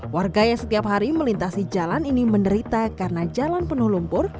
warga yang setiap hari melintasi jalan ini menderita karena jalan penuh lumpur